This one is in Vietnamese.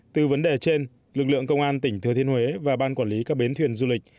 từ vấn đề trên lực lượng công an tỉnh thừa thiên huế và ban quản lý các bến thuyền du lịch